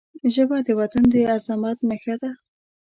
ژبه د وطن د عظمت نښه ده